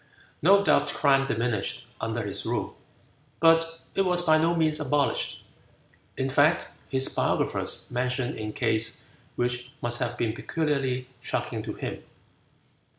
No doubt crime diminished under his rule, but it was by no means abolished. In fact, his biographers mention a case which must have been peculiarly shocking to him.